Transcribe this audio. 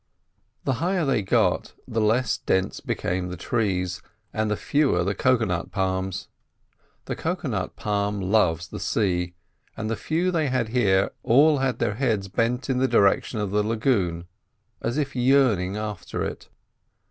The higher they got the less dense became the trees and the fewer the cocoa nut palms. The cocoa nut palm loves the sea, and the few they had here all had their heads bent in the direction of the lagoon, as if yearning after it.